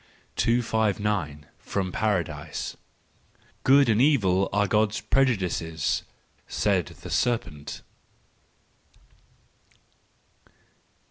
259. From Paradise. —"Good and Evil are God's prejudices "—said the serpent.